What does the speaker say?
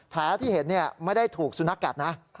แผลที่เห็นไม่ได้ถูกสุนัขกัดนะ